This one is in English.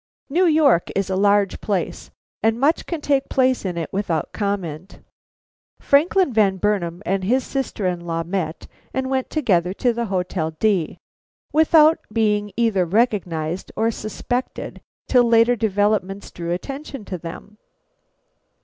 "New York is a large place, and much can take place in it without comment. Franklin Van Burnam and his sister in law met and went together to the Hotel D without being either recognized or suspected till later developments drew attention to them.